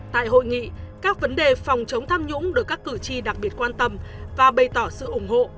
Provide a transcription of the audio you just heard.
tại hội nghị các vấn đề phòng chống tham nhũng được các cử tri đặc biệt quan tâm và bày tỏ sự ủng hộ